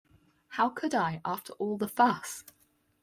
How could I after all the fuss?